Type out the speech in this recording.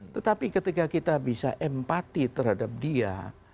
tetapi ketika kita bisa empati terhadap dia